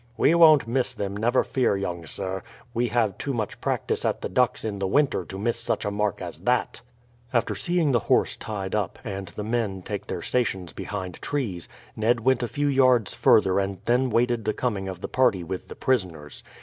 "We won't miss them, never fear, young sir. We have too much practice at the ducks in the winter to miss such a mark as that." After seeing the horse tied up, and the men take their stations behind trees, Ned went a few yards further and then waited the coming of the party with the prisoners.